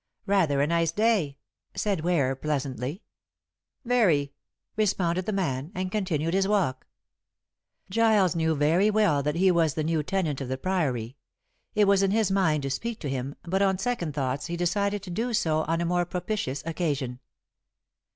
"Rather a nice day," said Ware pleasantly. "Very," responded the man, and continued his walk. Giles knew very well that he was the new tenant of the Priory. It was in his mind to speak to him, but on second thoughts he decided to do so on a more propitious occasion.